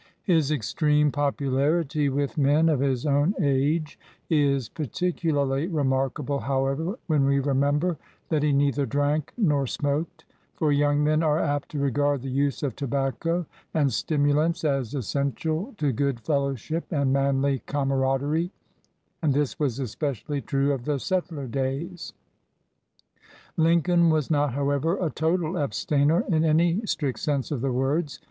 His extreme 3 35 LINCOLN THE LAWYER popularity with men of his own age is particu larly remarkable, however, when we remember that he neither drank nor smoked; for young men are apt to regard the use of tobacco and sti mulants as essential to good fellowship and manly camaraderie, and this was especially true of the settler days. Lincoln was not, however, a total abstainer in any strict sense of the words.